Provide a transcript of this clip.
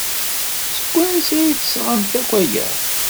Seg wansi ay d-tesɣamt akk aya?